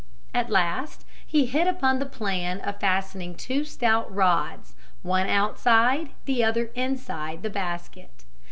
At last he hit upon the plan of fastening two stout rods, one outside, the other inside, the basket.